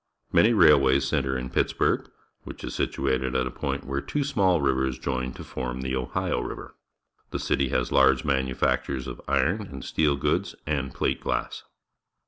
Many railways centre in Pittsburgh, which is situ ated at a point where two small rivers join to form the Ohio River. The city has large manufactures of iron and steel goods and plate glass.